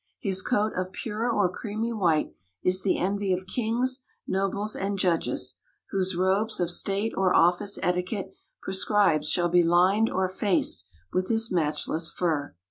His coat of pure or creamy white is the envy of kings, nobles and judges, whose robes of state or office etiquette prescribes shall be lined or faced with this matchless fur.